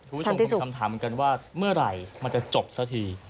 ทุกสมมุมมีคำถามเหมือนกันว่าเมื่อไหร่มันจะจบซะที